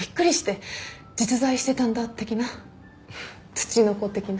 ツチノコ的な。